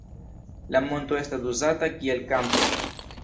La monto estas uzata kiel kampo.